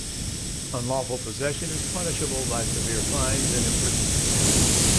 Unlawful possession is punishable by severe fines and imprisonment.